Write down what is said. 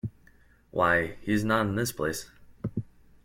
Why, he is not in this place.